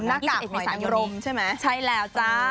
นักกากหอยอังรมใช่ไหมใช่แล้วจ้า